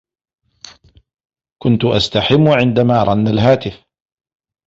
كنت أستحم عندما رن الهاتف.